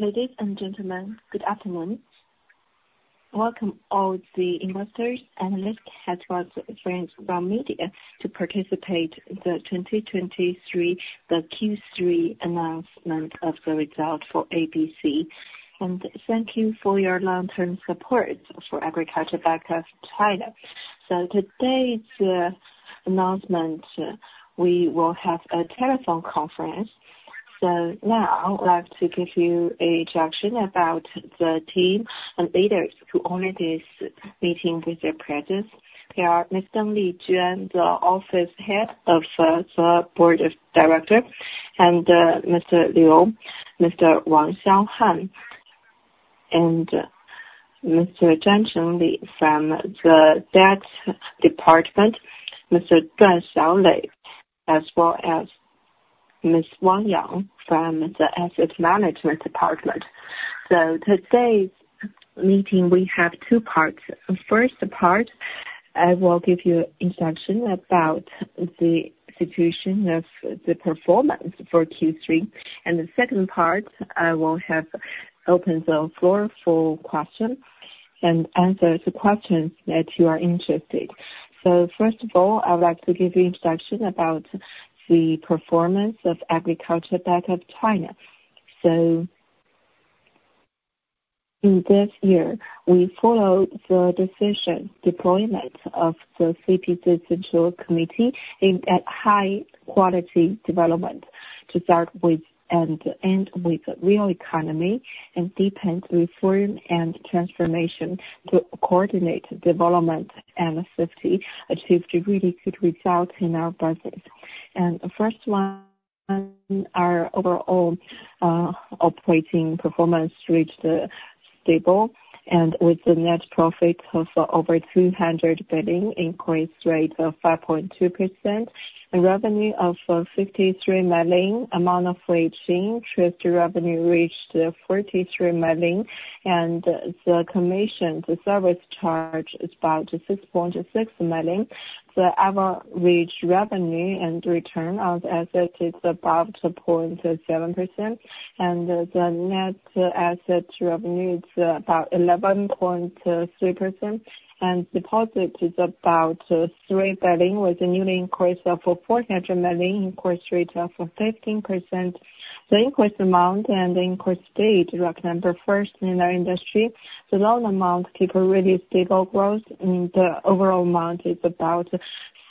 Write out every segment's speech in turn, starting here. Ladies and gentlemen, good afternoon. Welcome all the investors, analysts, as well as friends from media, to participate in the 2023 Q3 announcement of the result for ABC. Thank you for your long-term support for Agricultural Bank of China. Today's announcement, we will have a telephone conference. Now I would like to give you an introduction about the team and leaders who own this meeting with their presence. They are Mr. Li Jun, the office head of the board of directors, and Mr. Liu, Mr. Wang Xiaoyong, and Mr. Zhang Chengli from the tax department, Mr. Duan Xiaolei, as well as Ms. Wang Yang from the asset management department. Today's meeting, we have two parts. The first part, I will give you introduction about the situation of the performance for Q3. The second part, I will have open the floor for questions, and answer the questions that you are interested. So first of all, I would like to give you introduction about the performance of Agricultural Bank of China. So in this year, we followed the decision deployment of the CCP Central Committee in a high quality development to start with and end with real economy, and deepen reform and transformation to coordinate development and safety, achieve degree good result in our budget. The first one, our overall, operating performance reached, stable, and with the net profit of over 300 billion, increase rate of 5.2%. The revenue of 53 million, amount of origin, interest revenue reached 43 million, and the commission, the service charge is about 6.6 million. The average revenue and return on asset is about 2.7%, and the net asset revenue is about 11.3%, and deposit is about 3 billion, with a new increase of 400 million, increase rate of 15%. The increase amount and increase rate rank number first in our industry. The loan amount keep a really stable growth, and the overall amount is about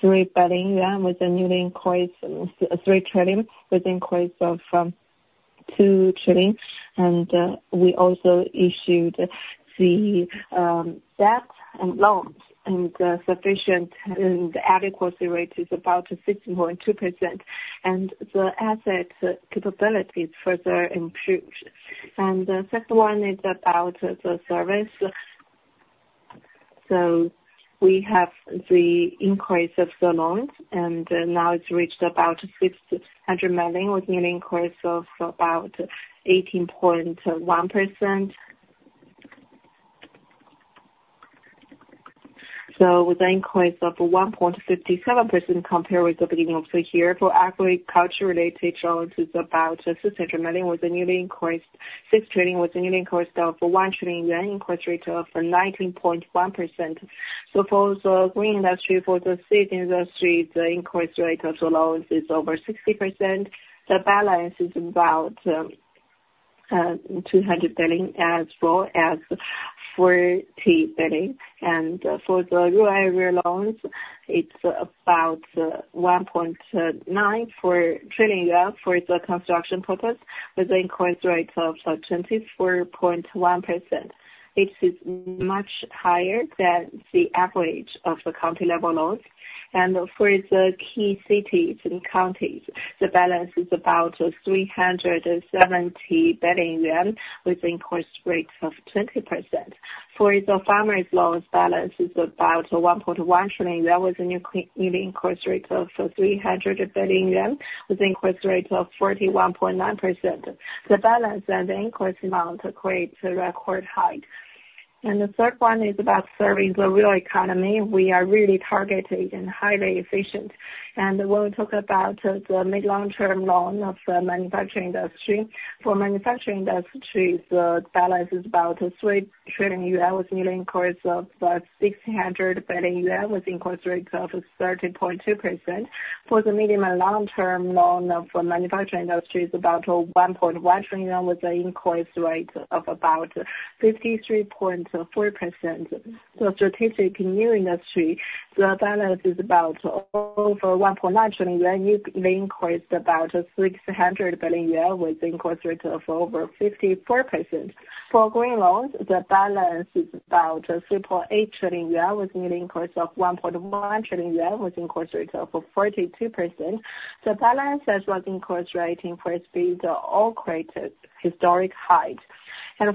3 billion yuan, with a new increase three trillion, with increase of two trillion. And we also issued the debt and loans, and sufficient and adequacy rate is about 60.2%, and the asset capabilities further improved. And the second one is about the service. So we have the increase of the loans, and now it's reached about 600 million, with an increase of about 18.1%. So with an increase of 1.57% compared with the beginning of the year for agriculture-related loans is about CNY 600 million, with a yearly increase—CNY 6 trillion, with a yearly increase of 1 trillion yuan, increase rate of 19.1%. So for the green industry, for the state industry, the increase rate of the loans is over 60%. The balance is about 200 billion, as well as 40 billion. And for the rural area loans, it's about 1.94 trillion yuan for the construction purpose, with an increase rate of 24.1%. This is much higher than the average of the county level loans. And for the key cities and counties, the balance is about 370 billion yuan, with increase rates of 20%. For the farmers' loans, balance is about 1.1 trillion yuan, with a new increase of 300 billion yuan, with increase rate of 41.9%. The balance and increase amount creates a record height. And the third one is about serving the real economy. We are really targeted and highly efficient. And when we talk about the mid, long-term loan of the manufacturing industry, for manufacturing industry, the balance is about 3 trillion yuan, with new increase of about 600 billion yuan, with increase rate of 13.2%. For the medium and long-term loan of the manufacturing industry is about 1.1 trillion, with an increase rate of about 53.4%. The strategic new industry, the balance is about over 1.9 trillion yuan, the increase about 600 billion yuan, with increase rate of over 54%. For green loans, the balance is about 3.8 trillion yuan, with new increase of 1.1 trillion yuan, with increase rate of 42%. The balance as well as increase rate in the first three quarters all created historic highs.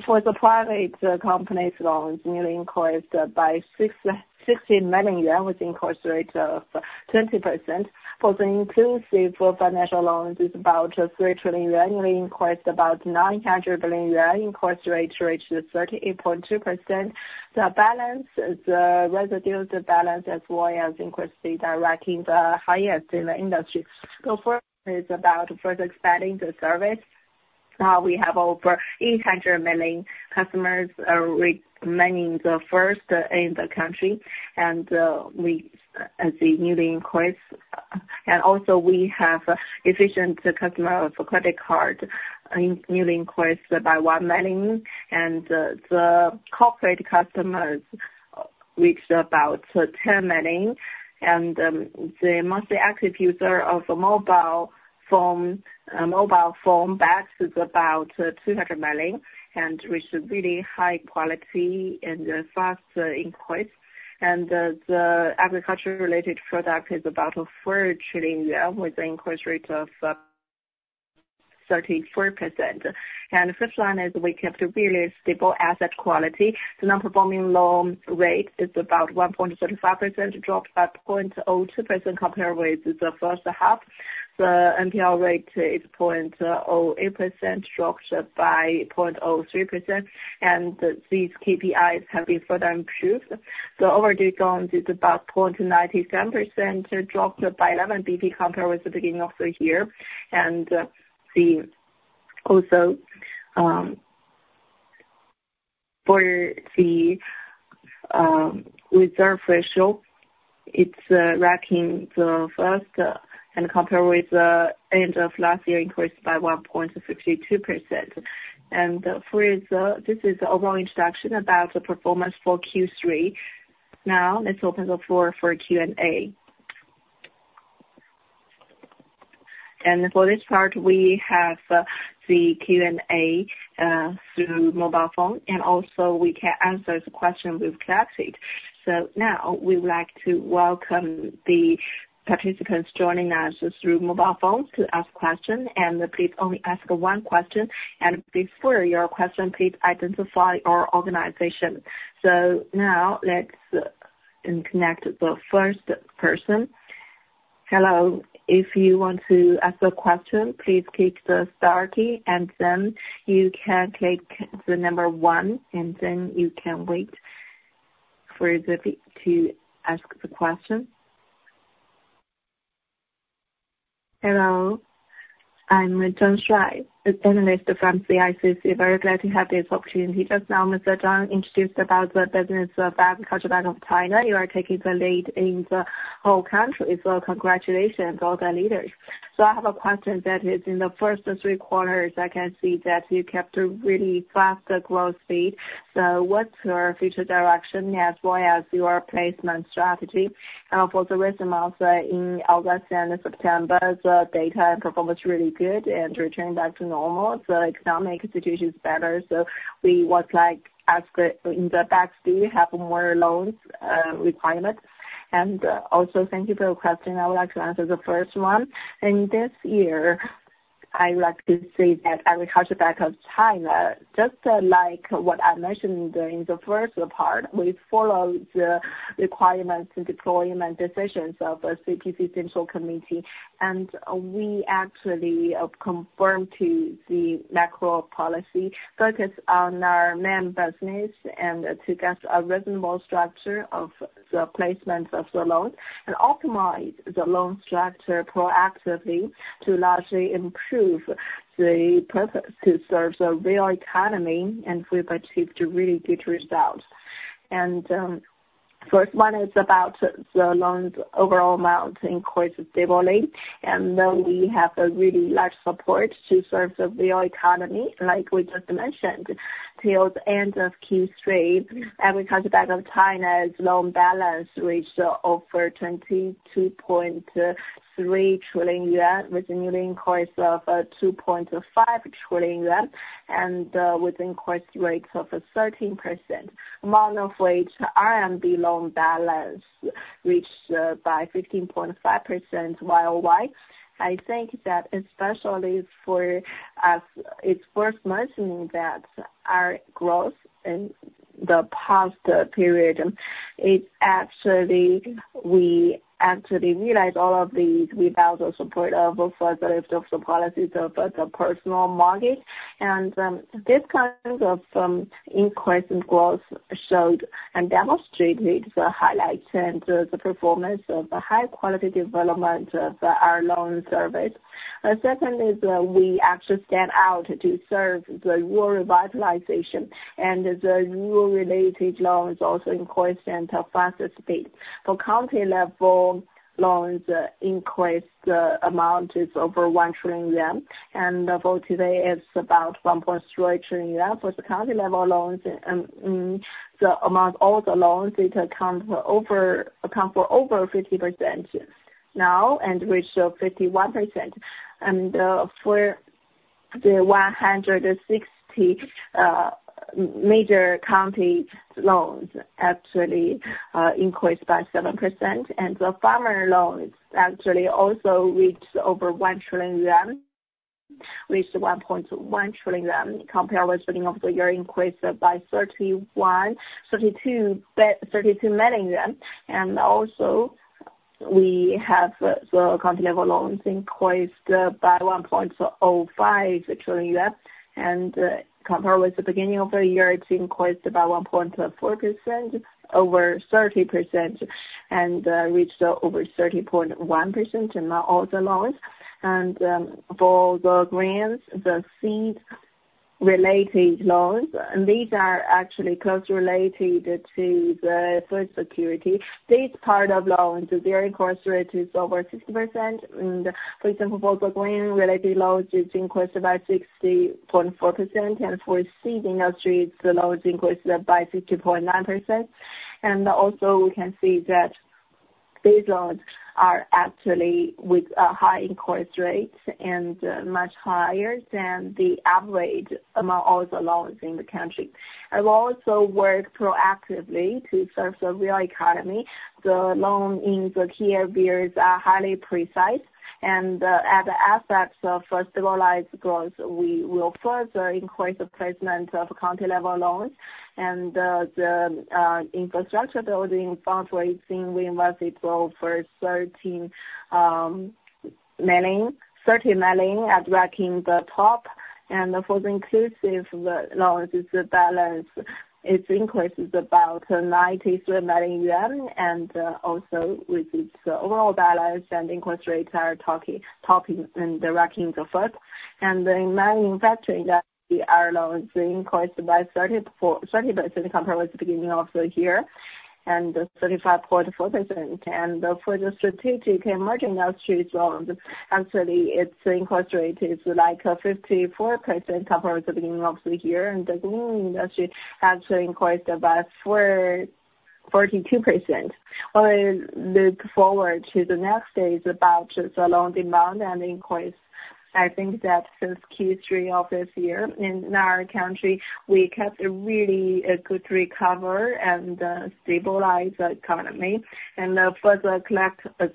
For the private company's loans, new increase by CNY 60 million, with increase rate of 20%. For the inclusive finance loans is about 3 trillion yuan, new increase about 900 billion yuan, increase rate reached 38.2%. The balance, the residual balance, as well as increase, they are ranking the highest in the industry. So fourth is about further expanding the service. Now we have over 800 million customers, remaining the first in the country, and we as the new inquiries, and also we have efficient customer for credit card and new inquiries by one million. The corporate customers reached about 10 million, and the monthly active user of the mobile phone banks is about 200 million, and which is really high quality and fast inquiries. The agriculture related product is about 4 trillion yuan, with inquiry rate of 34%. The first line is we kept a really stable asset quality. The non-performing loan rate is about 1.35%, dropped by 0.02% compared with the first half. The NPL rate is 0.08%, dropped by 0.03%, and these KPIs have been further improved. The overdue loans is about 0.97%, dropped by 11 BP compared with the beginning of the year. And also, for the reserve ratio, it's ranking the first, and compared with the end of last year, increased by 1.62%. This is the overall introduction about the performance for Q3. Now, let's open the floor for Q&A. For this part, we have the Q&A through mobile phone, and also we can answer the question we've collected. So now, we would like to welcome the participants joining us through mobile phones to ask questions. And please only ask one question, and before your question, please identify your organization. So now, let's connect the first person. Hello. If you want to ask a question, please click the star key, and then you can click the number one, and then you can wait for the [p-] to ask the question. Hello, I'm Zhang Shuaishuai, an analyst from CICC. Very glad to have this opportunity. Just now, Mr. Jun introduced about the business of Agricultural Bank of China. You are taking the lead in the whole country, congratulations to all the leaders. I have a question that is: in the first three quarters, I can see that you kept a really faster growth rate. What's your future direction, as well as your placement strategy? For the recent months, in August and September, the data performance really good and returning back to normal, so economic situation is better. We would like ask, in the back, do you have more loans, requirements? Also, thank you for the question. I would like to answer the first one. In this year, I would like to say that Agricultural Bank of China, just like what I mentioned in the first part, we followed the requirements and deployment decisions of the CCP Central Committee, and we actually conform to the macro policy, focus on our main business and to get a reasonable structure of the placement of the loans, and optimize the loan structure proactively to largely improve the purpose to serve the real economy, and we've achieved a really good result. First one is about the loans overall amount increased steadily, and then we have a really large support to serve the real economy, like we just mentioned. Till the end of Q3, Agricultural Bank of China's loan balance reached over 22.3 trillion yuan, with new increments of 2.5 trillion yuan, and with increment rates of 13%, amount of which RMB loan balance reached by 15.5% YOY. I think that especially for us, it's worth mentioning that our growth in the past period, it actually, we actually realize all of these without the support of the rest of the policies of the personal market. These kinds of increments and growth showed and demonstrated the highlights and the performance of the high quality development of our loan service. Secondly, we actually stand out to serve the Rural Revitalization, and the rural-related loans also increased at a faster speed. For county level, loans increased, amount is over 1 trillion yuan, and for today, it's about 1.3 trillion yuan. For the county level loans and, and the amount, all the loans, it account for over, account for over 50% now, and which are 51%. And, for the 160 major county loans actually increased by 7%. And the farmer loans actually also reached over 1 trillion yuan, reached 1.1 trillion yuan, compared with beginning of the year, increased by 32 million yuan. And also, we have the county level loans increased by 1.05 trillion yuan, and compared with the beginning of the year, it's increased by 1.4%, over 30%, and reached over 30.1% in all the loans. For the grains, the seed-related loans, and these are actually closely related to the food security. This part of loans, the very interest rate is over 60%, and for example, for green-related loans, it's increased about 60.4%, and for seed industry, the loans increased by 50.9%. Also we can see that these loans are actually with high increase rates and much higher than the average among all the loans in the country. I've also worked proactively to serve the real economy. The loan in the key areas are highly precise, and at the aspects of stabilized growth, we will further increase the placement of county-level loans. The infrastructure building bonds we've seen, we invested over CNY 13 million, 30 million and ranking the top, and for the inclusive, the loans' balance, it's increased about 93 million yuan, and also with its overall balance and increase rates are topping and ranking the first. In manufacturing, our loans increased by 34, 30% compared with the beginning of the year, and 35.4%. For the strategic emerging industries loans, actually its increase rate is like 54% compared with the beginning of the year, and the green industry actually increased about 42%. When I look forward to the next phase about the loan demand and increase, I think that since Q3 of this year, in our country, we kept a really good recovery and stabilize the economy, and further collect its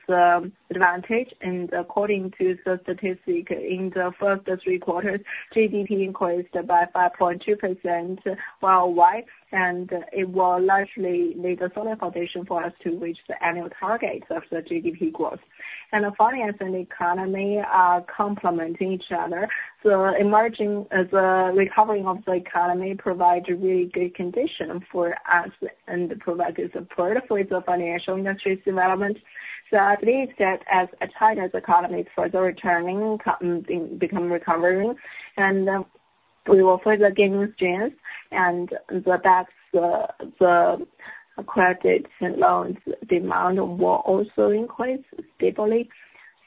advantage. According to the statistics, in the first three quarters, GDP increased by 5.2% year-wide, and it will largely lay the solid foundation for us to reach the annual targets of the GDP growth. The finance and economy are complementing each other. So emerging as a recovery of the economy provides a really good condition for us and provides support for the financial industry's development. So I believe that as China's economy further returning, become recovering, and we will further gain strength, and that's the credit and loans demand will also increase steadily.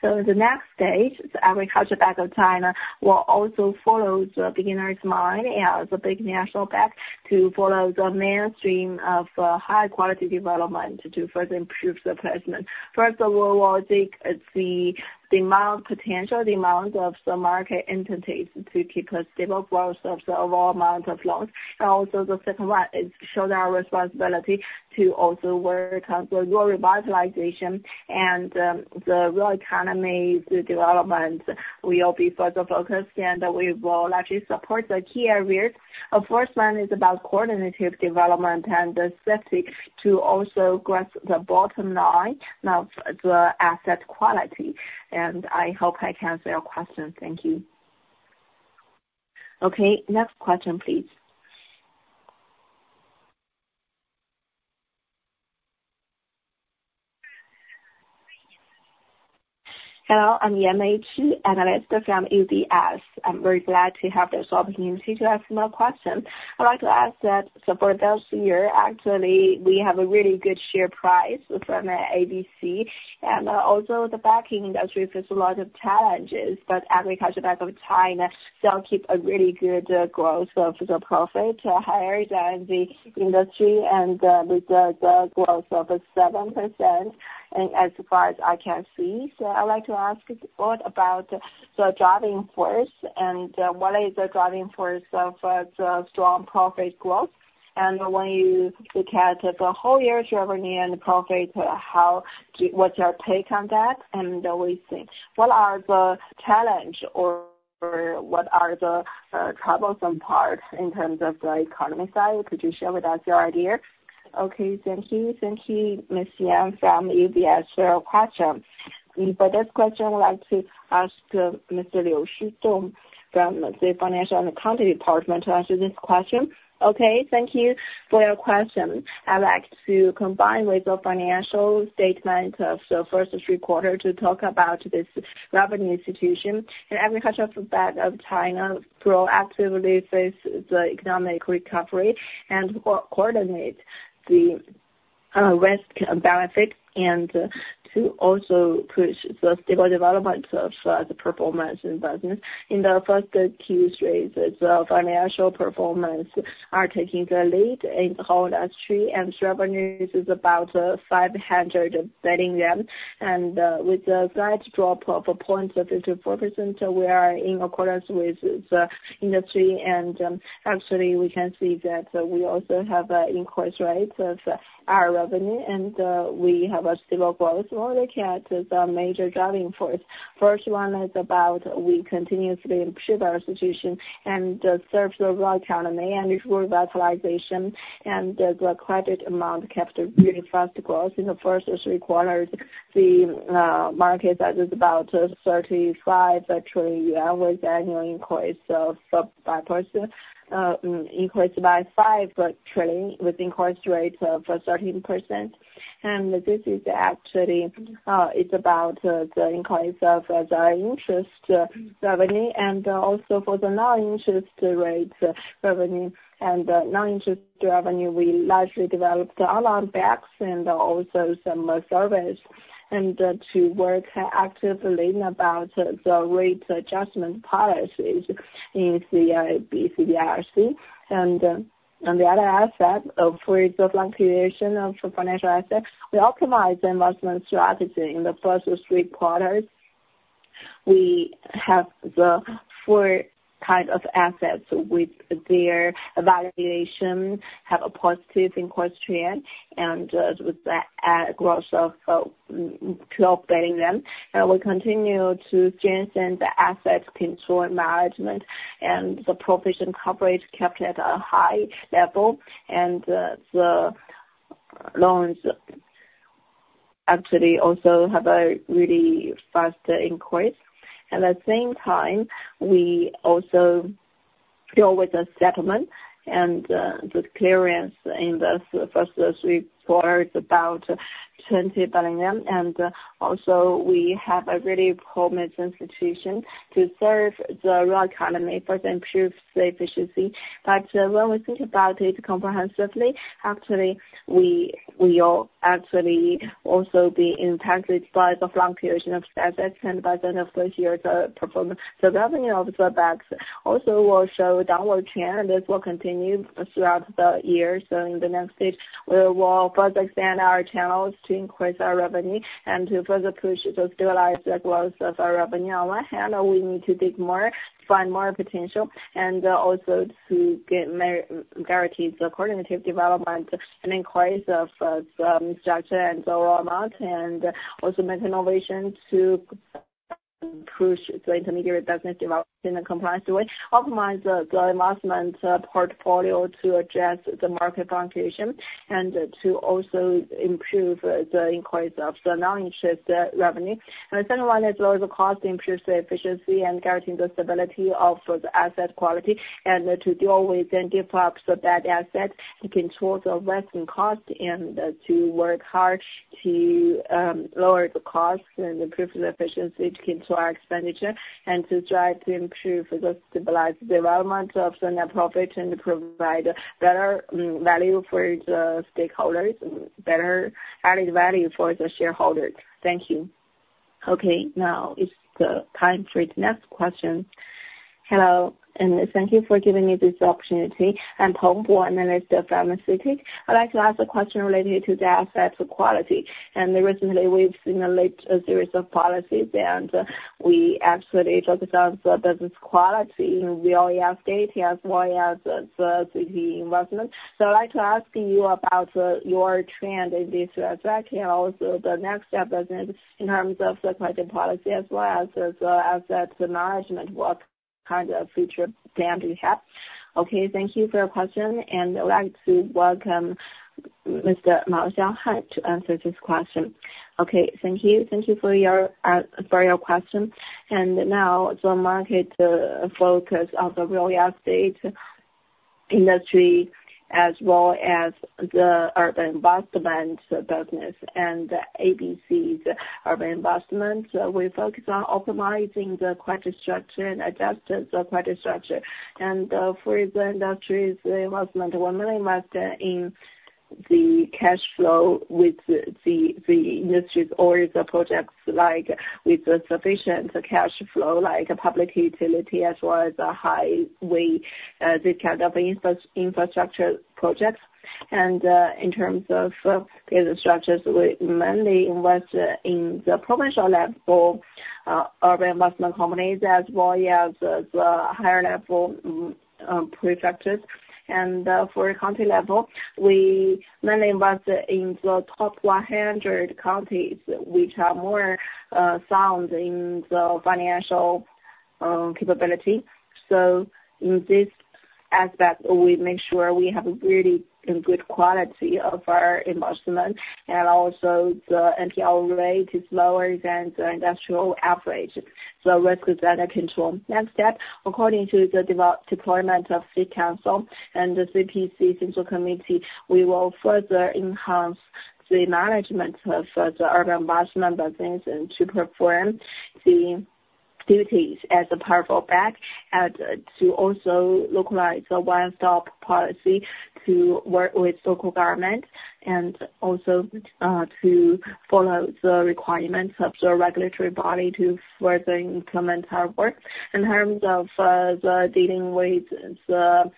So the next stage, the Agricultural Bank of China will also follow the beginner's mind as a big national bank to follow the mainstream of high quality development to further improve the placement. First of all, we'll take the demand, potential demand of the market entities to keep a stable flow of the overall amount of loans. And also the second one is show our responsibility to also work on the Rural Revitalization and the real economy development will be further focused, and we will actually support the key areas. The first one is about coordinated development and the specific to also grasp the bottom line of the asset quality. And I hope I answered your question. Thank you. Okay, next question, please. Hello, I'm May Yan, analyst from UBS. I'm very glad to have this opportunity to ask more questions. I'd like to ask that so for this year, actually, we have a really good share price from, ABC, and also the banking industry faces a lot of challenges, but Agricultural Bank of China still keep a really good, growth of the profit, higher than the industry and, with the, the growth of 7%, and as far as I can see. So I'd like to ask what about the driving force, and, what is the driving force of, the strong profit growth? And when you look at the whole year's revenue and profit, what's your take on that? And what we think, what are the challenge or what are the, troublesome parts in terms of the economy side? Could you share with us your idea? Okay, thank you. Thank you, Ms. Yan from UBS for your question. For this question, I'd like to ask, Mr. Liu Xudong from the Finance and Accounting Department to answer this question. Okay, thank you for your question. I'd like to combine with the financial statement of the first three quarters to talk about this revenue situation. In Agricultural Bank of China, proactively face the economic recovery and coordinate the risk and benefit, and to also push the stable development of the business performance. In the first Q3, the financial performance are taking the lead in the whole industry, and revenues is about 500 billion yuan. And, with a slight drop of 0.34%, we are in accordance with the industry. Actually, we can see that we also have an increase rate of our revenue, and we have a stable growth when we look at the major driving force. First one is about we continuously improve our institution and serve the rural economy and Rural Revitalization, and the credit amount kept a really fast growth. In the first three quarters, the market that is about 35 billion yuan, with annual increase of 5%.... increased by 5 trillion, with increase rate of 13%. And this is actually, it's about the increase of the interest revenue, and also for the non-interest rates revenue. And the non-interest revenue, we largely developed the online banks and also some services, and to work actively about the rate adjustment policies in the CBRC. And, on the other aspect, for the fluctuation of financial assets, we optimize the investment strategy in the first three quarters. We have the four kind of assets with their valuation, have a positive increase trend, and, with the, growth of, culminating them. We continue to strengthen the asset control management and the provision coverage kept at a high level, and, the loans actually also have a really fast increase. At the same time, we also deal with the settlement and, the clearance in the first three quarters, about 20 billion. Also we have a really prominent institution to serve the real economy first, improve the efficiency. But, when we think about it comprehensively, actually, we, we are actually also being impacted by the fluctuation of assets and by the end of this year, the performance, the revenue of the banks also will show downward trend, and this will continue throughout the year. So in the next stage, we will further expand our channels to increase our revenue and to further push the stabilized growth of our revenue. On one hand, we need to dig more, find more potential, and also to guarantee the quantitative development and increase of the structure and the amount, and also make innovation to push the intermediary business development in a compliance way, optimize the investment portfolio to adjust the market fluctuation, and to also improve the increase of the non-interest revenue. The second one is lower the cost, improve the efficiency, and guaranteeing the stability of the asset quality, and to deal with and give up the bad assets, to control the risk and cost, and, to work hard to, lower the costs and improve the efficiency, control our expenditure, and to try to improve the stabilized development of the net profit and provide better value for the stakeholders, better added value for the shareholders. Thank you. Okay, now is the time for the next question. Hello, and thank you for giving me this opportunity. I'm Tang Shengbo, analyst of Nomura. I'd like to ask a question related to the asset quality. And recently, we've seen a late series of policies, and we actually focused on the business quality in real estate as well as the investment. So I'd like to ask you about, your trend in this aspect and also the next step business in terms of the credit policy as well as the asset management. What kind of future plan do you have? Okay, thank you for your question, and I'd like to welcome Mr. Wang Xiaoyong to answer this question. Okay. Thank you. Thank you for your, for your question. And now the market focus on the real estate industry, as well as the urban investment business and ABC's urban investment. We focus on optimizing the credit structure and adjust the credit structure. And, for the industries investment, we mainly invest in the cash flow with the industries or the projects like with the sufficient cash flow, like public utility as well as the highway, this kind of infrastructure projects. In terms of infrastructure, we mainly invest in the provincial level urban investment companies, as well as the higher level prefectures. For county level, we mainly invest in the top 100 counties, which are more sound in the financial capability. So in this aspect, we make sure we have a really good quality of our investment. And also the NPL rate is lower than the industrial average, so risk is under control. Next step, according to the deployment of the council and the CPC Central Committee, we will further enhance the management of the urban investment business and to perform the duties as a powerful bank, and to also localize the one-stop policy to work with local government, and also to follow the requirements of the regulatory body to further implement our work. In terms of the dealing with the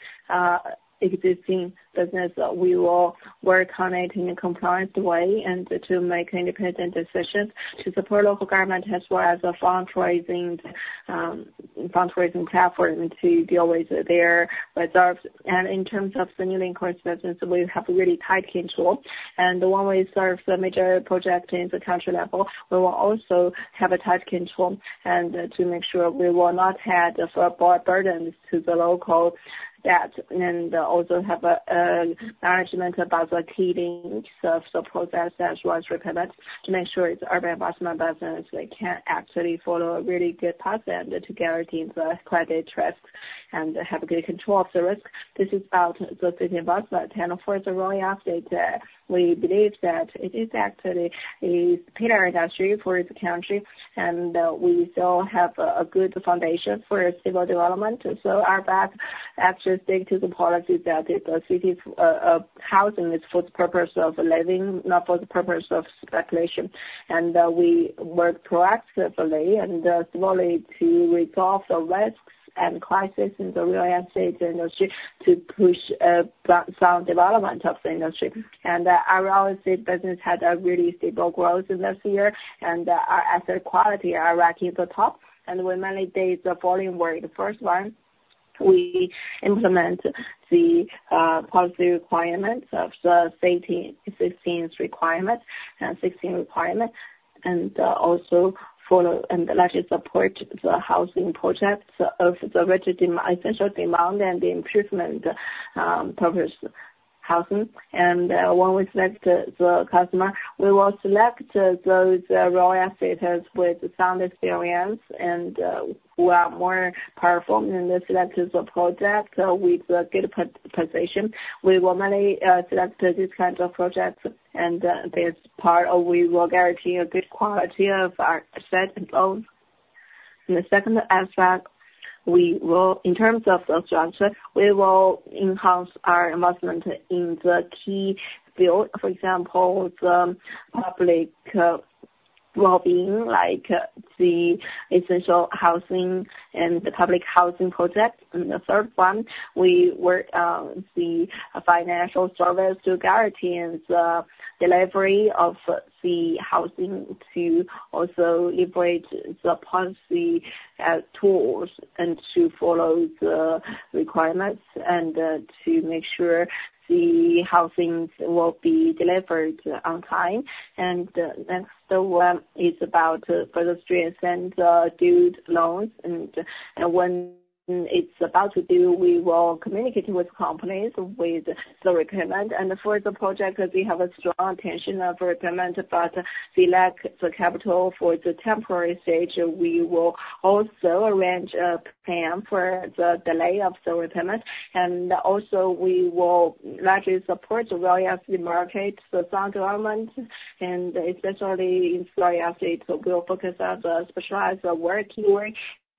existing business, we will work on it in a compliant way and to make independent decisions to support local government as well as the fundraising, fundraising platform to deal with their reserves. In terms of the new inquiries business, we have a really tight control. The one we serve, the major project in the country level, we will also have a tight control to make sure we will not add further burdens to the local debt, and also have a management about the bidding of the process, as well as repayment, to make sure the urban investment business, they can actually follow a really good path and to guarantee the credit risk and have a good control of the risk. This is about the urban investment, and of course, the real estate, we believe that it is actually a pillar industry for the country, and we still have a good foundation for stable development. So our bank actually stick to the policy that the city's housing is for the purpose of living, not for the purpose of speculation. And we work proactively and smoothly to resolve the risks and crisis in the real estate industry to push sound development of the industry. And our real estate business had a really stable growth in this year, and our asset quality are ranking the top, and we many days the volume were the first one. We implement the policy requirements of the 18 16 requirement, and sixteen requirement, and also follow and largely support the housing projects of the registered essential demand and the improvement purpose housing. When we select the customer, we will select those real estate with sound experience and who are more powerful in the selections of project. So with the good position, we will many select these kinds of projects, and this part, we will guarantee a good quality of our asset and loan. In the second aspect, in terms of the structure, we will enhance our investment in the key build, for example, the public well-being, like the essential housing and the public housing project. And the third one, we work on the financial service to guarantee and the delivery of the housing, to also leverage the policy, tools, and to follow the requirements, and, to make sure the housings will be delivered on time. And, next, the one is about to further strengthen the due loans, and, and when it's about to due, we will communicate with companies with the requirement. And for the project, we have a strong attention of requirement, but they lack the capital for the temporary stage. We will also arrange a plan for the delay of the requirement, and also we will largely support the real estate market, the sound development, and especially in real estate. So we'll focus on the specialized work,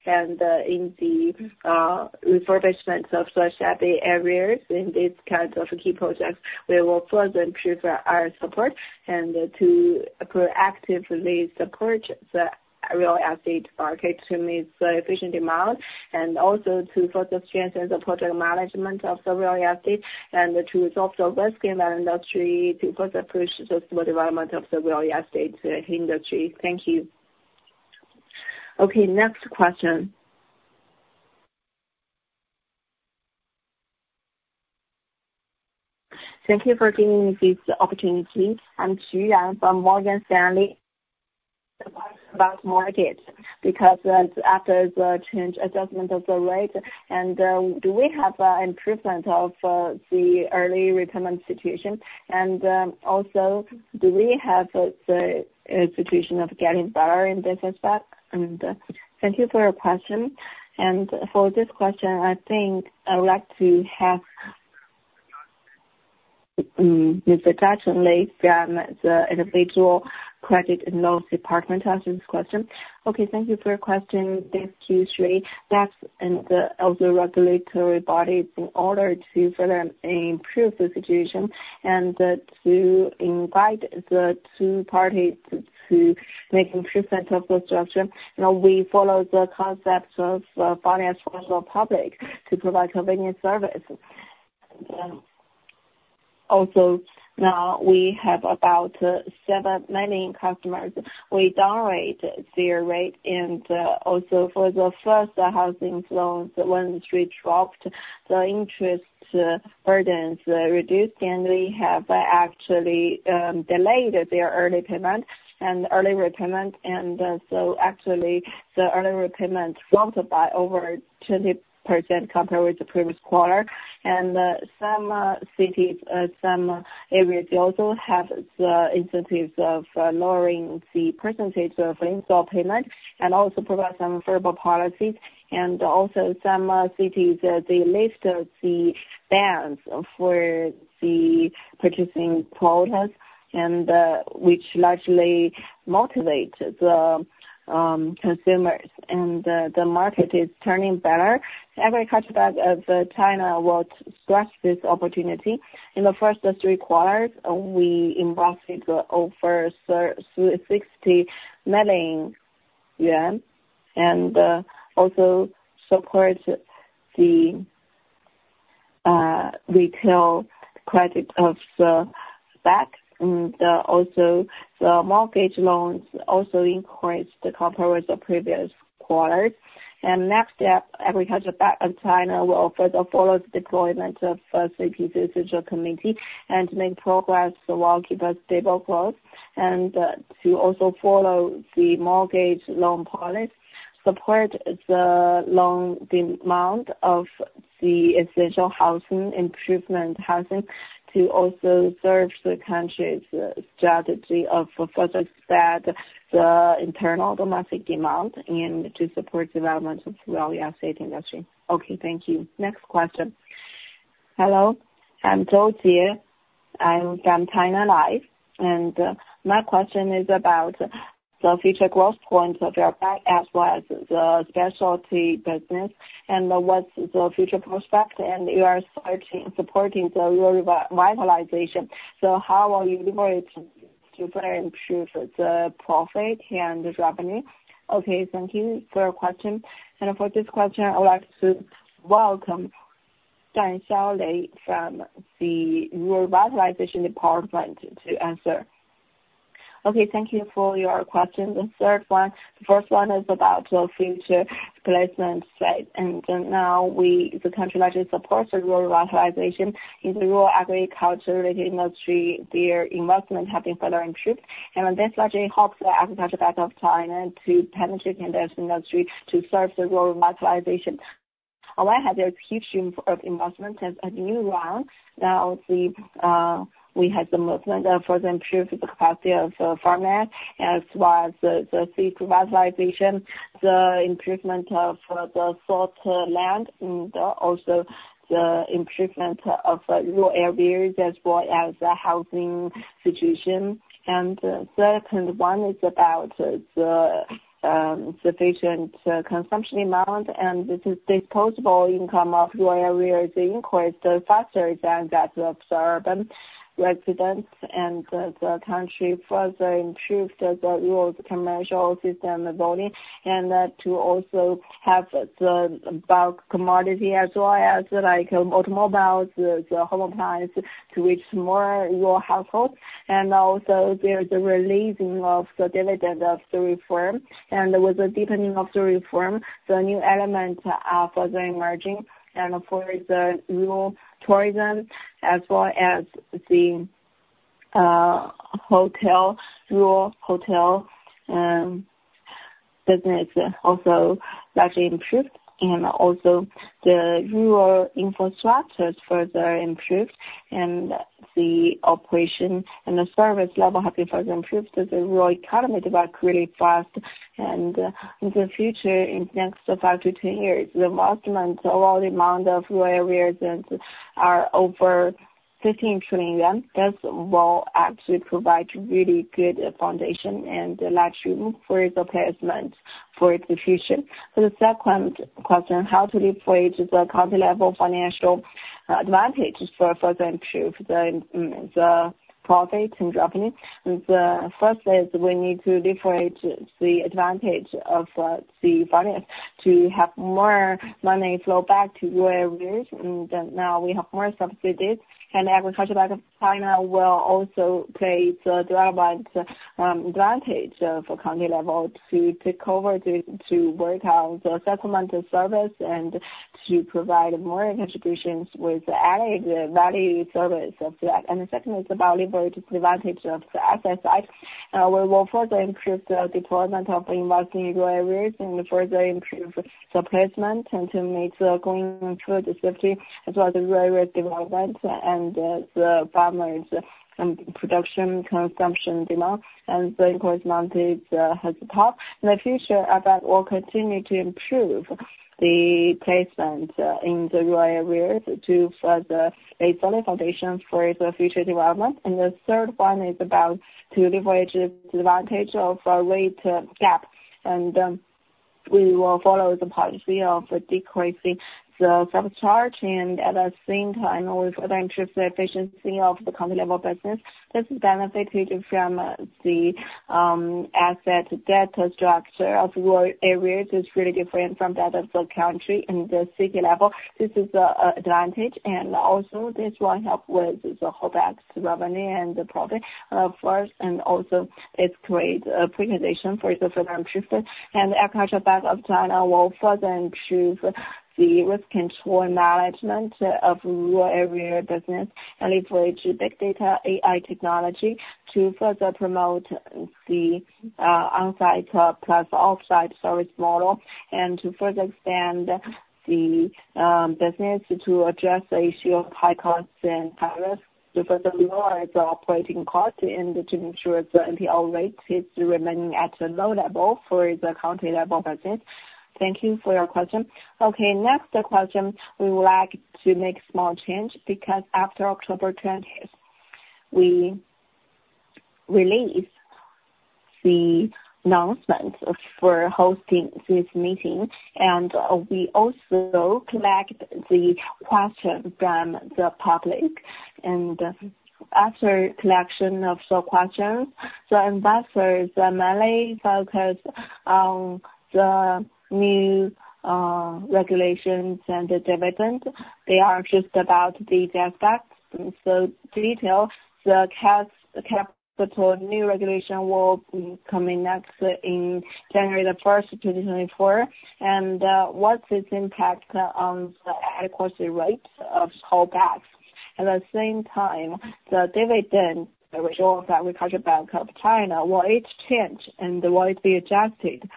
and in the refurbishment of such areas. In these kinds of key projects, we will further improve our support and to proactively support the real estate market to meet the efficient demand, and also to further strengthen the project management of the real estate, and to resolve the risk in the industry, to further push the development of the real estate industry. Thank you. Okay, next question. Thank you for giving me this opportunity. I'm Richard Xu from Morgan Stanley. About market, because, after the change adjustment of the rate, and, do we have, improvement of, the early retirement situation? And, also, do we have, the institution of getting better in business bank? And, thank you for your question. And for this question, I think I'd like to have, Mr. Lin Xuan from the Individual Finance Department to answer this question. Okay, thank you for your question. Thanks to you, Xu Ri. That's in the of the regulatory bodies in order to further improve the situation and to invite the two parties to make improvement of the structure. Now, we follow the concept of finance for the public to provide convenient service. Also, now we have about 7 million customers. We down rate their rate, and also for the first housing loans, when the rate dropped, the interest burdens reduced, and we have actually delayed their early payment and early retirement. So actually, the early retirement dropped by over 20% compared with the previous quarter. Some cities, some areas also have the incentives of lowering the percentage of install payment and also provide some favorable policies. Also some cities they lifted the bans for the purchasing products, and which largely motivate the consumers, and the market is turning better. Agricultural Bank of China will grasp this opportunity. In the first three quarters, we invested over 60 million yuan and also support the retail credit of the bank. Also the mortgage loans also increased compared with the previous quarters. Next step, Agricultural Bank of China will further follow the deployment of CCP Central Committee and make progress that will keep a stable growth. To also follow the mortgage loan policy, support the loan demand of the essential housing, improvement housing, to also serve the country's strategy of further expand the internal domestic demand and to support development of real estate industry. Okay, thank you. Next question. Hello, I'm Zhou Jie. I'm from China Life, and, my question is about the future growth points of your bank, as well as the specialty business, and what's the future prospect, and you are starting supporting the rural revitalization, so how will you leverage to further improve the profit and the revenue? Okay, thank you for your question. For this question, I would like to welcome Duan Xiaolei from the Rural Revitalization Department to answer. Okay, thank you for your question. The third one, the first one is about the future placement, right? Now, the country largely supports the rural revitalization. In the rural agriculture-related industry, their investment have been further improved, and this largely helps the Agricultural Bank of China to penetrate in this industry to serve the rural revitalization. On one hand, there's huge room of investment as a new round. Now, we have the movement further improve the capacity of farmland as well as the Rural Revitalization, the improvement of the salt land, and also the improvement of rural areas, as well as the housing situation. And the second one is about the sufficient consumption amount, and this is disposable income of rural areas increased faster than that of the urban residents and the country further improved the rural commercial system ability, and to also have the bulk commodity as well as, like, automobiles, the home appliances, to reach more rural households. And also there is a releasing of the dividend of the reform, and with the deepening of the reform, the new elements are further emerging. Of course, the rural tourism, as well as the hotel, rural hotel business, also largely improved, and also the rural infrastructure is further improved, and the operation and the service level have been further improved as the rural economy developed really fast. In the future, in next 5-10 years, the investment overall amount of rural areas and are over 15 trillion. This will actually provide really good foundation and large room for the placement for the future. For the second question, how to leverage the county level financial advantage for, for the improve the, the profit and revenue? The first is we need to leverage the advantage of the finance to have more money flow back to rural areas, and now we have more subsidies, and Agricultural Bank of China will also play its relevant advantage for county level to take over the to work out the settlement service and to provide more contributions with added value service of that. The second is about leverage advantage of the asset side. We will further improve the deployment of investing in rural areas and further improve the placement, and to meet the growing food safety, as well as rural development and the farmers production, consumption, demand, and the increased amount is has part. In the future, our bank will continue to improve the placement in the rural areas to further a solid foundation for the future development. The third one is about to leverage the advantage of our rate gap. We will follow the policy of decreasing the service charge, and at the same time, always further improve the efficiency of the county level business. This is benefited from the asset-debt structure of rural areas. It's really different from that of the county and the city level. This is a advantage, and also this will help with the whole bank's revenue and the profit first, and also it creates a pre-condition for the further improvement. Agricultural Bank of China will further improve the risk control management of rural area business and leverage big data, AI technology to further promote the on-site plus off-site service model, and to further expand the business to address the issue of high costs and risks, to further lower the operating costs and to ensure the NPL rate is remaining at a low level for the county level budget. Thank you for your question. Okay, next question, we would like to make a small change, because after October twentieth, we released the announcement for hosting this meeting, and we also collect the questions from the public. After collection of the questions, the investors mainly focus on the new regulations and the development. They are just about the in-depth and the detail, the capital new regulation will be coming next in January 1, 2024, what's its impact on the adequacy rates of whole banks? At the same time, the dividend, the result of Agricultural Bank of China, will it change, and will it be adjusted?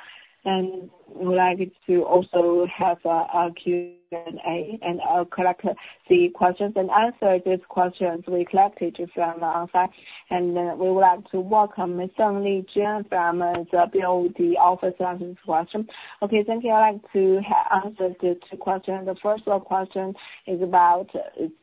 We'd like to also have a Q&A, and I'll collect the questions and answer these questions we collected from our side. We would like to welcome Miss [Song Lijiang] from the BOD office to answer this question. Okay, thank you. I'd like to answer the two questions. The first question is about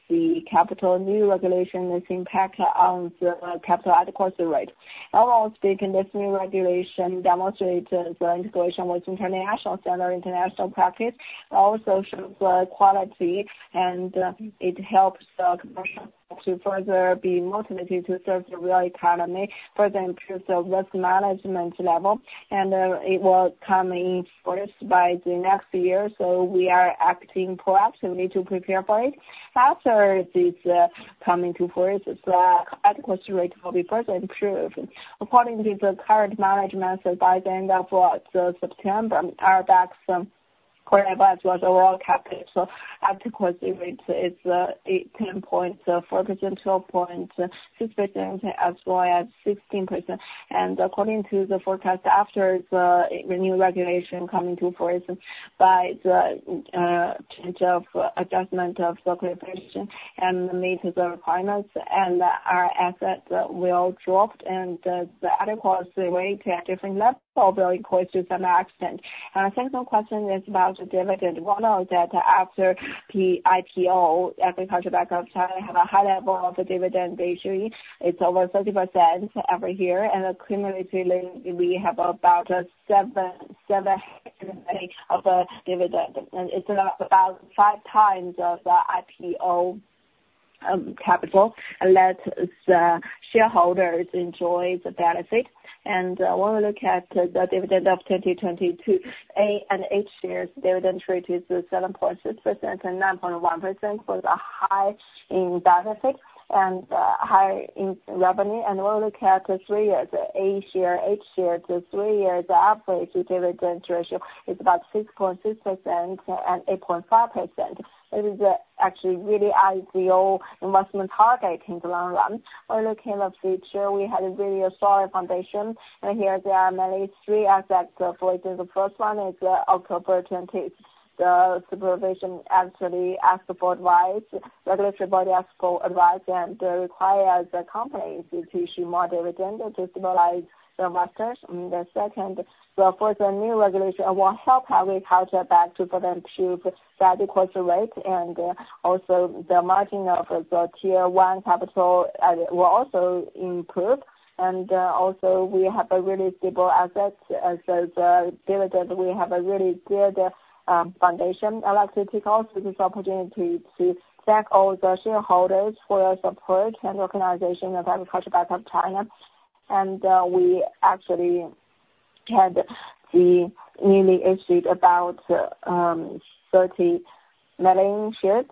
the capital new regulation, its impact on the capital adequacy rate. Overall speaking, this new regulation demonstrates the integration with international standard, international practice. Also shows the quality, and it helps the commercial to further be motivated to serve the real economy, further improve the risk management level, and it will come in force by the next year, so we are acting proactively to prepare for it. After this coming to force, the adequacy rate will be further improved. According to the current management, by the end of September, our banks core banks was overall capital. So adequacy rate is 18.4%, 12.6%, as well as 16%. And according to the forecast, after the new regulation come into force by the change of adjustment of circulation and meet the requirements, and our assets will drop, and the adequacy rate at different levels will be improved to some extent. Second question is about the dividend. We know that after the IPO, Agricultural Bank of China have a high level of dividend ratio. It's over 30% every year, and accumulatively, we have about 7, 7 of the dividend. It's about 5 times of the IPO capital, and let the shareholders enjoy the benefit. When we look at the dividend of 2022, A-Share and H-Share dividend ratio is 7.6% and 9.1% for the high in benefits and high in revenue. When we look at the three years, A-Share, H-Share, the three years' average dividend ratio is about 6.6% and 8.5%. It is actually really ideal investment target in the long run. When looking at the future, we have a really solid foundation, and here there are mainly three aspects for it. The first one is the opportunities. The supervision actually ask the board wise, regulatory body ask for advice, and they require the company to issue more dividend to stabilize the investors. The second, the further new regulation will help Agricultural Bank of China to further improve the adequacy rate, and also the margin of the tier one capital will also improve. Also, we have a really stable asset. As the dividend, we have a really good, foundation. I'd like to take also this opportunity to thank all the shareholders for your support and recognition of Agricultural Bank of China. We actually had the newly issued about 30 million shares.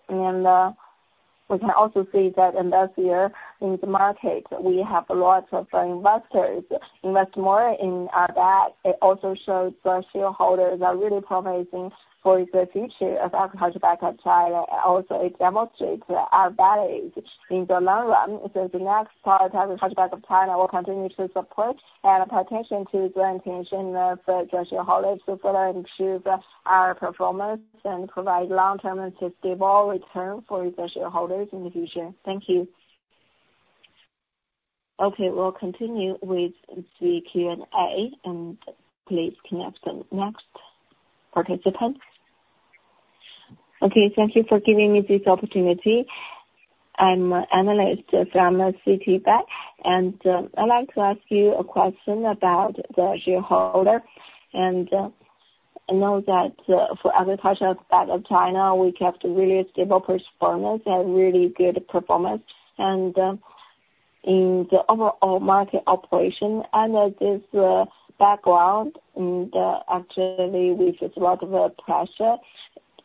We can also see that in this year, in the market, we have a lot of investors invest more in our bank. It also shows the shareholders are really promising for the future of Agricultural Bank of China. Also, it demonstrates our values in the long run. So the next part, Agricultural Bank of China will continue to support and pay attention to the intention of the shareholders to further improve our performance, and provide long-term and sustainable return for the shareholders in the future. Thank you. Okay, we'll continue with the Q&A, and please connect the next participant. Okay, thank you for giving me this opportunity. I'm an analyst from Citibank, and, I'd like to ask you a question about the shareholder. I know that for Agricultural Bank of China, we kept really stable performance and really good performance, and in the overall market operation, under this background, and actually with a lot of pressure,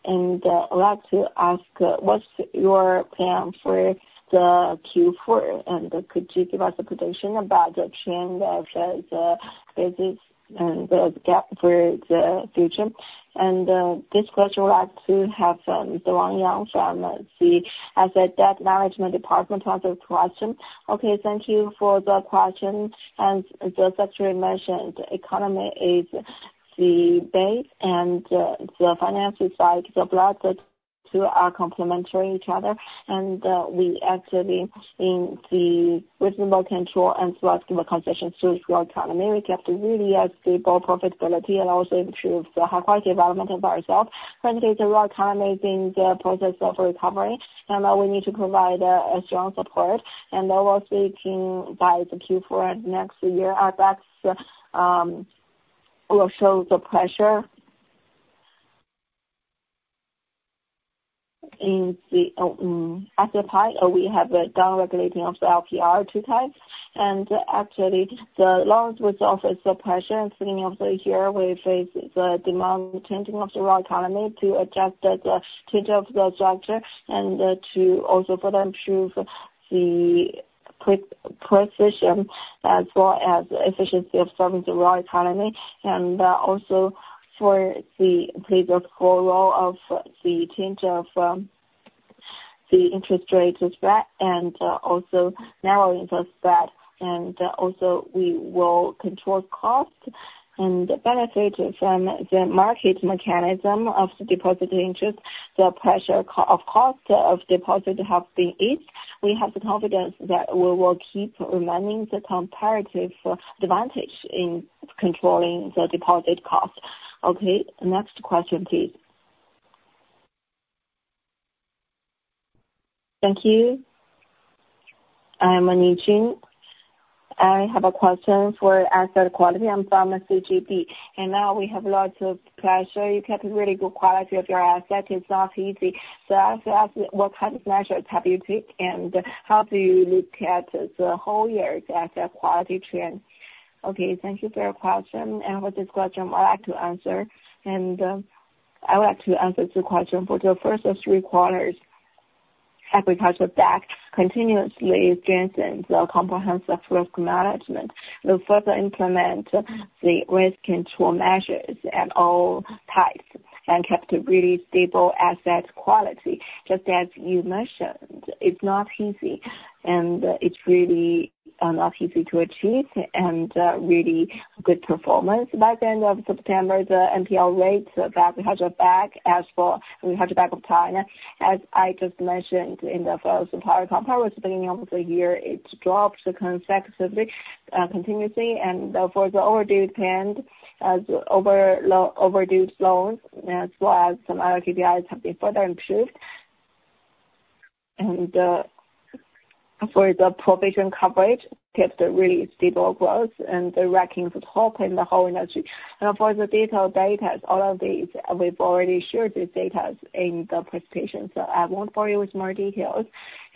and I'd like to ask, what's your plan for the Q4? And could you give us a prediction about the trend of the business and the gap for the future? And this question I'd like to have from Wang Yang, from the Asset and Liability Management Department to answer the question. Okay, thank you for the question. And as actually mentioned, the economy is the base, and the financial side, the blood, the two are complementary each other. And we actually in the reasonable control and flexible concession to the economy, we have to really have stable profitability and also improve the high quality development of ourselves. Currently, the real economy is in the process of recovery, and we need to provide strong support. Overall speaking, by the Q4 next year, our banks will show the pressure. At the time, we have a down regulating of the LPR two times, and actually, the loans with office, the pressure at the end of the year, we face the demand changing of the world economy to adjust the change of the structure, and to also further improve the precision, as well as efficiency of serving the real economy, and also for the play the full role of the change of the interest rate as well, and also narrowing of that. Also we will control cost and benefit from the market mechanism of the deposit interest. The pressure on cost of deposit have been eased. We have the confidence that we will keep maintaining the comparative advantage in controlling the deposit cost. Okay, next question, please. Thank you. I am [Anijin]. I have a question for asset quality. I'm from CGB, and now we have lots of pressure. You kept really good quality of your asset. It's not easy. So I ask, what kind of measures have you taken, and how do you look at the whole year's asset quality trend? Okay, thank you for your question. With this question, I'd like to answer, and I would like to answer the question. For the first three quarters, Agricultural Bank continuously strengthened the comprehensive risk management. We'll further implement the risk control measures at all times and kept a really stable asset quality. Just as you mentioned, it's not easy, and it's really not easy to achieve and really good performance. By the end of September, the NPL rates of Agricultural Bank of China, as for Agricultural Bank of China, as I just mentioned in the first PowerPoint, at the beginning of the year, it dropped consecutively, continuously, and for the overdue trend, overdue loans, as well as some other KPIs, have been further improved. For the provision coverage, kept a really stable growth and the rankings at top in the whole industry. Now, for the detailed data, all of these, we've already shared this data in the presentation, so I won't bore you with more details.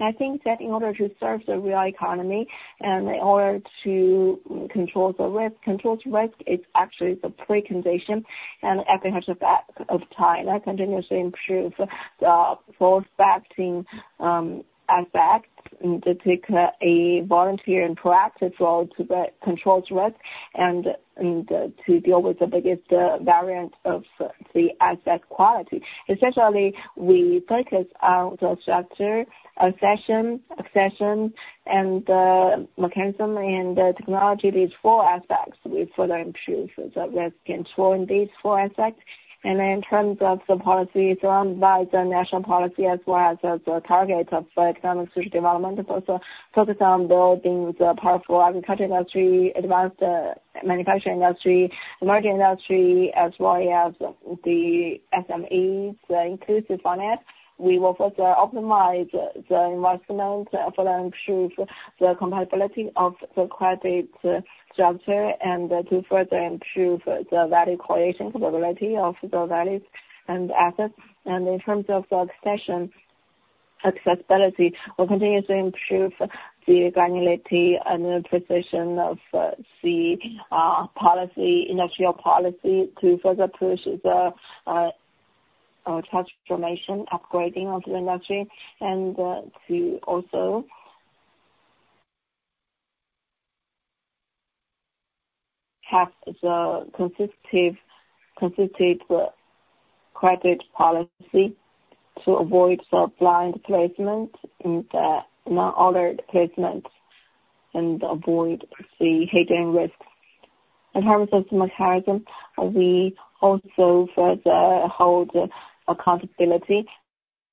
I think that in order to serve the real economy and in order to control the risk, control risk, it's actually the precondition and Agricultural Bank of China continuously improves the full staffing aspects, and to take a volunteer and proactive role to the control risk and to deal with the biggest variant of the asset quality. Essentially, we focus on the structure, accession, mechanism and the technology, these four aspects. We further improve the risk control in these four aspects. In terms of the policy, it's run by the national policy as well as the target of economic social development. It also focuses on building the powerful agriculture industry, advanced manufacturing industry, emerging industry, as well as the SMEs, the inclusive finance. We will further optimize the investment to further improve the compatibility of the credit structure and to further improve the value creation capability of the values and assets. In terms of the accession accessibility, we'll continue to improve the granularity and the precision of policy, industrial policy, to further push the transformation, upgrading of the energy and to also have the consistent, consistent credit policy to avoid the blind placement and non-ordered placement and avoid the hidden risk. In terms of the mechanism, we also further hold accountability,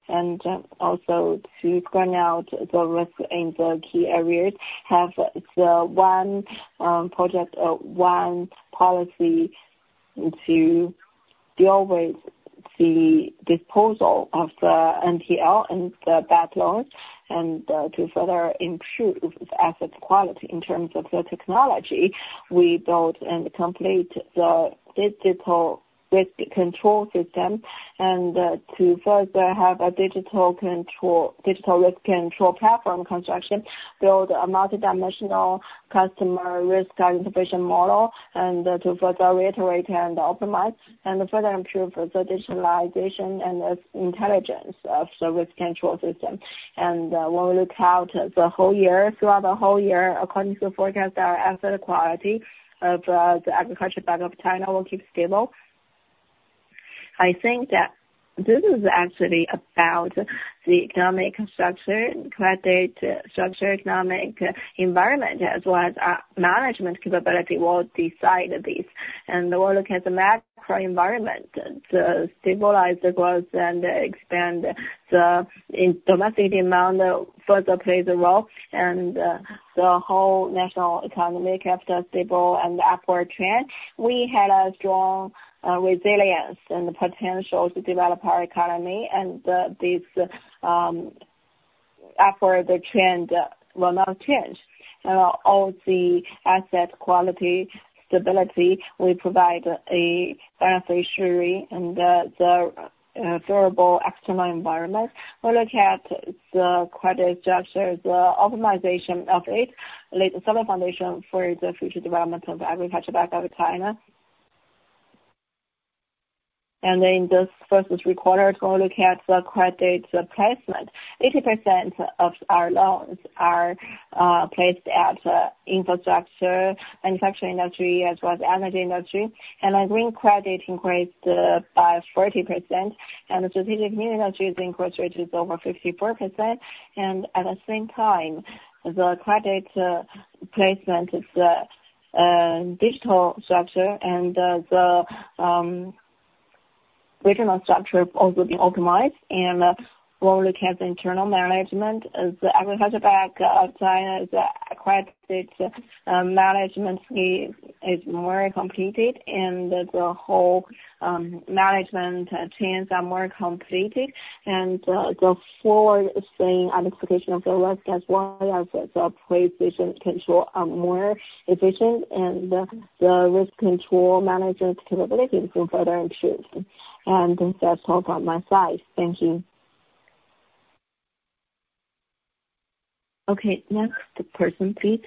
and also to point out the risk in the key areas, have the one project one policy to deal with the disposal of the NPL and the bad loans, and to further improve asset quality. In terms of the technology, we built and complete the digital risk control system, and to further have a digital control, digital risk control platform construction, build a multidimensional customer risk identification model, and to further reiterate and optimize and further improve the digitalization and the intelligence of the risk control system. When we look out the whole year, throughout the whole year, according to the forecast, our asset quality of the Agricultural Bank of China will keep stable. I think that this is actually about the economic structure, credit structure, economic environment, as well as our management capability will decide this. We'll look at the macro environment to stabilize the growth and expand the domestic demand further plays a role, and the whole national economy kept a stable and upward trend. We had a strong resilience and the potential to develop our economy, and this after the trend will not change. All the asset quality stability we provide a beneficiary and the favorable external environment. We look at the credit structure, the optimization of it, lay the solid foundation for the future development of Agricultural Bank of China. And then this first three quarters, we'll look at the credit placement. 80% of our loans are placed at infrastructure, manufacturing industry, as well as energy industry. And our green credit increased by 40%, and the strategic new energy has increased to over 54%. And at the same time, the credit placement is digital structure and the regional structure also been optimized. We'll look at the internal management as Agricultural Bank of China's credit management scheme is more completed and the whole management teams are more completed. And the forward is saying anticipation of the risk as well as the pre-efficient control are more efficient, and the risk control management capabilities will further improve. And that's all about my slides. Thank you. Okay, next person, please.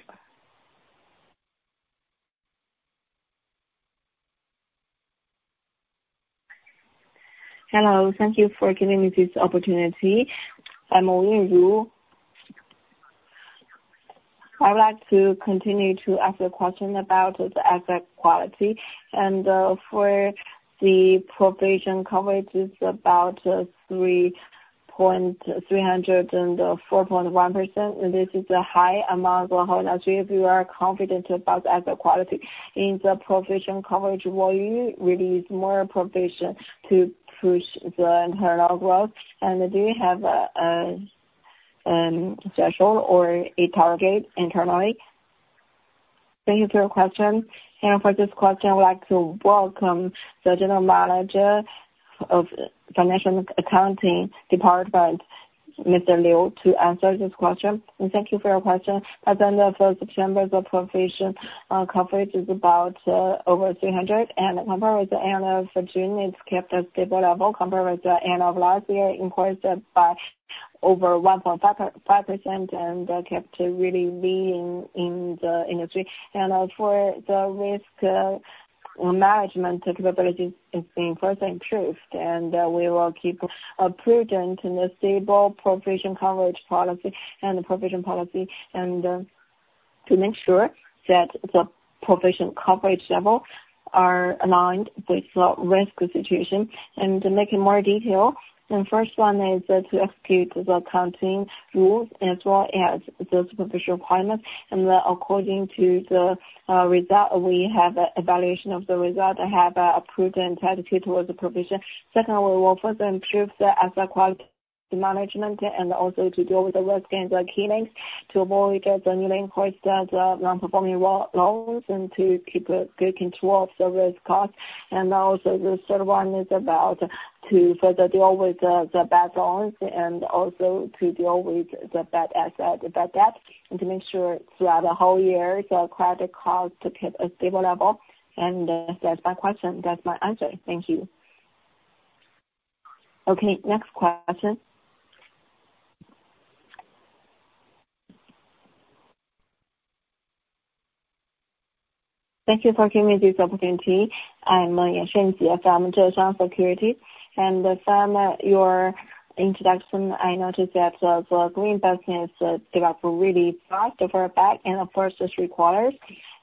Hello, thank you for giving me this opportunity. I'm Owen Yu. I would like to continue to ask a question about the asset quality, and for the provision coverage is about 304.1%, and this is a high amount. We are confident about asset quality. In the provision coverage, will you release more provision to push the internal growth? Do you have special or a target internally? Thank you for your question. For this question, I would like to welcome the General Manager of Financial Accounting Department, Mr. Liu, to answer this question. Thank you for your question. As of end of September, the provision coverage is about over 300, and compared with the end of June, it's kept a stable level. Compared with the end of last year, increased by over 1.5%, and kept really leading in the industry. As for the risk management capabilities, is being further improved. We will keep a prudent and stable provision coverage policy and the provision policy, to make sure that the provision coverage level are aligned with the risk situation. To make it more detailed, the first one is to execute the accounting rules as well as the supervision requirements. And according to the result, we have evaluation of the result and have a prudent attitude towards the provision. Second, we will further improve the asset quality management and also to deal with the risk and the key links, to avoid the new link with the non-performing loans, and to keep a good control of the risk cost. And also, the third one is about to further deal with the bad loans and also to deal with the bad asset, the bad debt, and to make sure throughout the whole year, the credit cost to keep a stable level. And that's my question. That's my answer. Thank you. Okay, next question. Thank you for giving me this opportunity. I'm Liang Fengjie from Zheshang Securities. From your introduction, I noticed that the green business developed really fast for our bank in the first three quarters.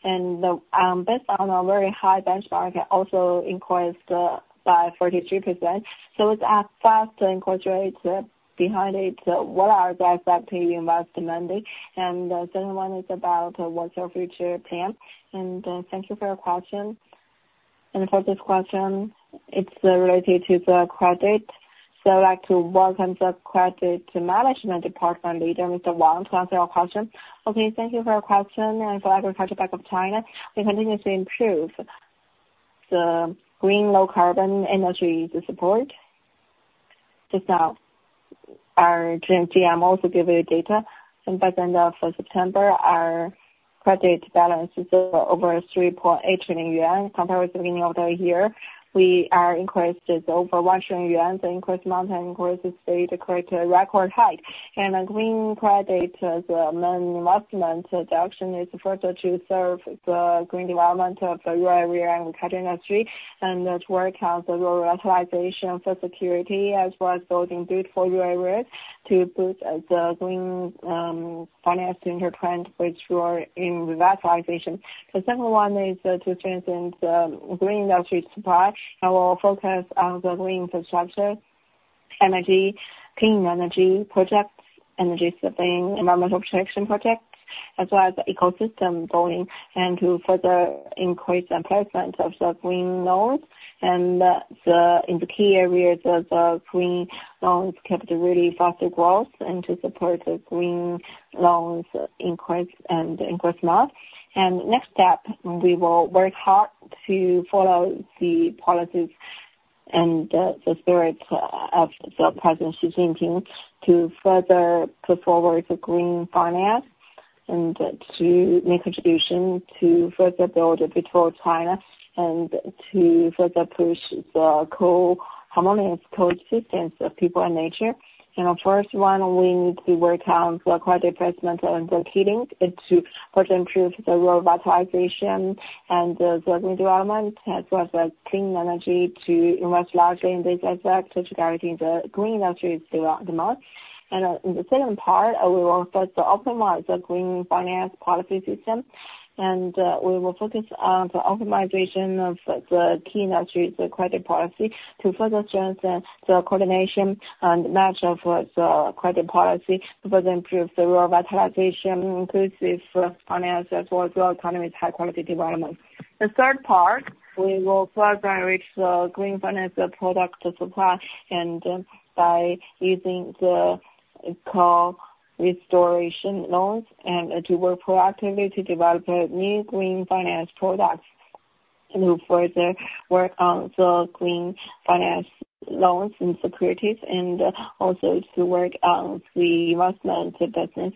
Based on a very high benchmark, it also increased by 43%. So with that fast increase rate behind it, what are the impact to investment demand? And the second one is about what's your future plan? Thank you for your question. For this question, it's related to the credit. So I'd like to welcome the Credit Management Department Leader, Mr. Wang, to answer your question. Okay, thank you for your question and for Agricultural Bank of China. We continue to improve the green, low carbon energy support. Just now, our general manager also gave you data, and by the end of September, our credit balance is over 3.8 trillion yuan. Compared with the beginning of the year, we are increased is over 1 trillion yuan. The increase amount and increase is set to create a record high. A green credit, as a main investment direction, is further to serve the green development of the rural area and culture industry, and to work on the Rural Revitalization strategy, as well as building beautiful rural areas to boost the green finance integration, which were in revitalization. The second one is to strengthen the green industry support. Our focus on the green infrastructure, energy, clean energy projects, energy saving, environmental protection projects, as well as ecosystem building, and to further increase the placement of the green loans. In the key areas of the green loans kept a relatively faster growth and to support the green loans increase and increase more. Next step, we will work hard to follow the policies and the spirit of President Xi Jinping, to further push forward the green finance, and to make contribution to further build a Beautiful China, and to further push harmonious coexistence of people and nature. You know, first one, we need to work on the climate investment and heating, and to further improve the revitalization and the development, as well as clean energy to invest largely in this aspect, which guaranteeing the green industries throughout the month. In the second part, we will first optimize the green finance policy system, and we will focus on the optimization of the key industries, the credit policy, to further strengthen the coordination and match of the credit policy to further improve the Rural Revitalization, Inclusive Finance, as well as rural economy's high-quality development. The third part, we will further enrich the green finance product supply, and by using the eco-restoration loans, and to work proactively to develop new green finance products to further work on the green finance loans and securities, and also to work on the investment business.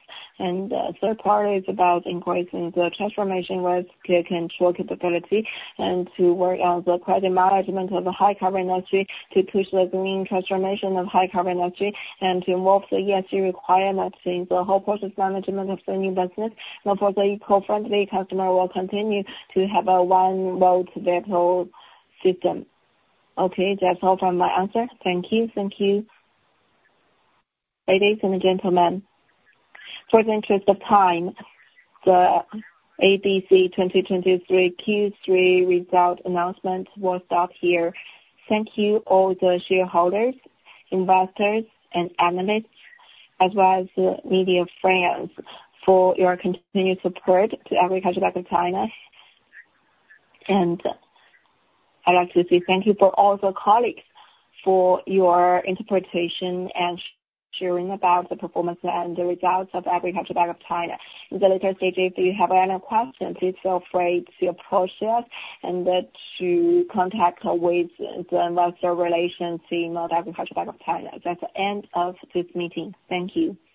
Third part is about increasing the transformation risk control capability, and to work on the credit management of the high carbon energy, to push the green transformation of high carbon energy, and to involve the ESG requirements in the whole process management of the new business. Now, for the eco-friendly customer, will continue to have a one-vote veto system. Okay, that's all for my answer. Thank you. Thank you, ladies and gentlemen, for the interest of time, the ABC 2023 Q3 result announcement will stop here. Thank you all the shareholders, investors, and analysts, as well as media friends, for your continued support to Agricultural Bank of China. I'd like to say thank you for all the colleagues for your interpretation and sharing about the performance and the results of Agricultural Bank of China. In the later stage, if you have any questions, please feel free to approach us and to contact with the investor relations in the Agricultural Bank of China. That's the end of this meeting. Thank you.